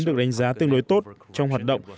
được đánh giá tương đối tốt trong hoạt động